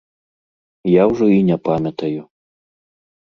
Я ўжо і не памятаю.